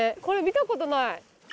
これ見たことない。